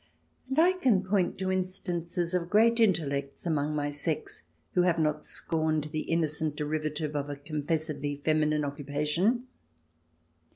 And I can point to instances of great intellects among my sex who have not scorned the innocent derivative of confessedly feminine occupation.